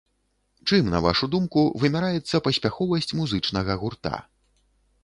Чым, на вашу думку, вымяраецца паспяховасць музычнага гурта?